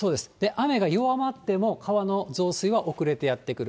雨が弱まっても、川の増水は遅れてやって来る。